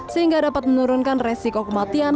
sehingga dapat menurunkan resiko kematian